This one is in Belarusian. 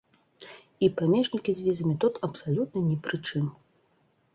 І памежнікі з візамі тут абсалютна ні пры чым!